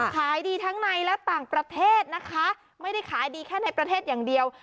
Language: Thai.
ขายดีทั้งในและต่างประเทศนะคะไม่ได้ขายดีแค่ในประเทศอย่างเดียว